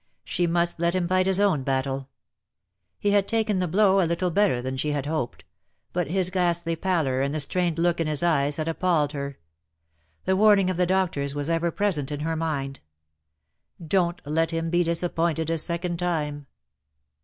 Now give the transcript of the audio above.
She must let him fight his own battle. He had taken the blow a DEAD LOVE HAS CHAINS. 277 little better than she had hoped, but his ghastly pallor and the strained look in his eyes had ap palled her. The warning of the doctors was ever present in her mind. "Don't let him be disappointed a second time."